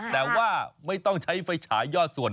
แต่ว่าไม่ต้องใช้ไฟฉายยอดส่วน